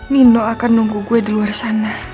nino akan nunggu gue di luar sana